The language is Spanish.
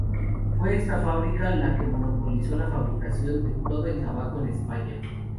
Fue esta fábrica, la que monopolizó la fabricación de todo el tabaco en España.